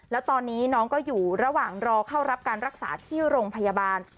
แล้วตอนนี้น้องก็อยู่ระหว่างรอเข้ารับการรักษาที่โรงพยาบาล